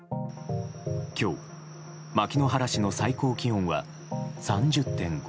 今日、牧之原市の最高気温は３０．５度。